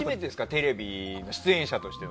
テレビの出演者としては。